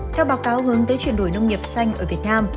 theo báo cáo hướng tới chuyển đổi nông nghiệp xanh ở việt nam